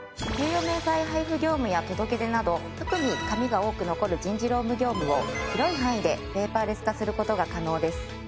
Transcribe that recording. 給与明細配付業務や届け出など特に紙が多く残る人事労務業務を広い範囲でペーパーレス化する事が可能です。